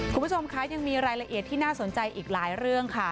คุณผู้ชมคะยังมีรายละเอียดที่น่าสนใจอีกหลายเรื่องค่ะ